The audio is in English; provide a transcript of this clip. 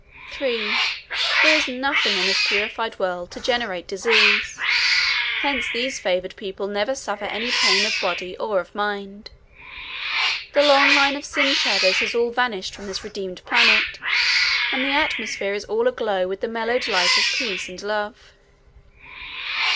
3. There is nothing on this purified world to generate disease; hence these favored people never suffer any pain of body or of mind. The long line of sin shadows has all vanished from this redeemed planet, and the atmosphere is all aglow with the mellowed light of peace and love.